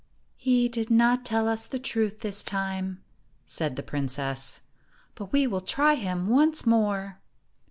"He did not tell us the truth this time," said the princess, "but we will try him once more."